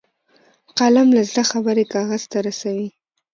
قلم له زړه خبرې کاغذ ته رسوي